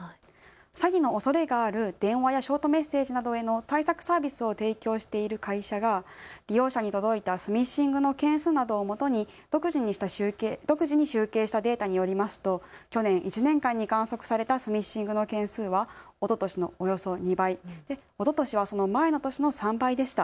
詐欺のおそれがある電話やショートメッセージなどへの対策サービスを提供している会社が利用者に届いたスミッシングの件数などをもとに独自に集計したデータによりますと去年１年間に観測されたスミッシングの件数はおととしのおよそ２倍、おととしはその前の年の３倍でした。